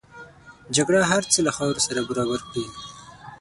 جګړه هر څه له خاورو سره برابر کړي